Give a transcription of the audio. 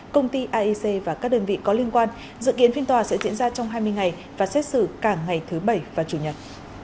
công ty aic và các đơn vị có liên quan dự kiến phiên tòa sẽ diễn ra trong hai mươi ngày và xét xử cả ngày thứ bảy và chủ nhật